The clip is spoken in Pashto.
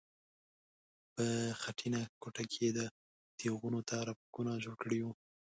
په خټینه کوټه کې یې تیغونو ته رپکونه جوړ کړي وو.